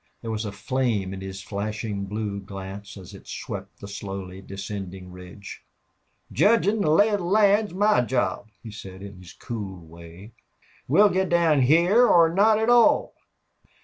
There was a flame in his flashing, blue glance as it swept the slowly descending ridge. "Judgin' the lay of land is my job," he said, in his cool way. "We'll git down heah or not at all."